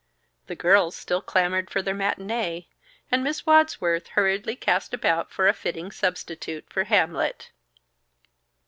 The girls still clamored for their matinée, and Miss Wadsworth hurriedly cast about for a fitting substitute for Hamlet.